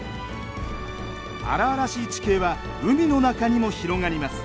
荒々しい地形は海の中にも広がります。